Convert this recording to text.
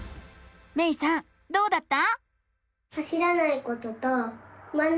めいさんどうだった？